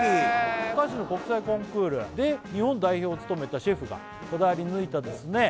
お菓子の国際コンクールで日本代表を務めたシェフがこだわり抜いたですね